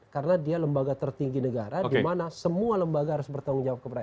karena dia lembaga tertinggi negara di mana semua lembaga harus bertanggung jawab kepada mpr